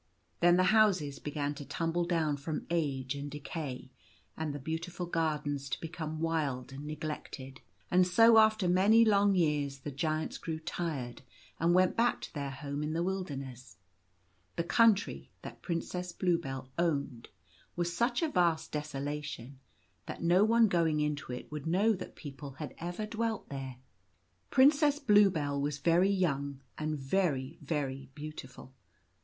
Then the houses began to tumble down from age and decay, and the beautiful gardens to become wild and neglected ; and so when after many long years the Giants grew tired and went back to their home in the wilderness, the country that Princess Bluebell owned was such a vast desolation that no one going into it would know that people had ever dwelt there. Princess Bluebell was very young and very, very beau tiful.